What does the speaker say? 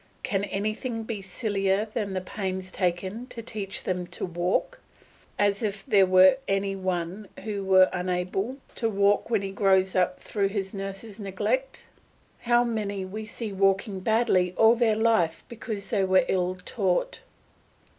Can anything be sillier than the pains taken to teach them to walk, as if there were any one who was unable to walk when he grows up through his nurse's neglect? How many we see walking badly all their life because they were ill taught?